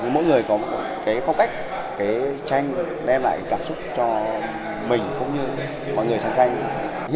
mỗi người có một cái phong cách cái tranh đem lại cảm xúc cho mình cũng như mọi người sẵn sàng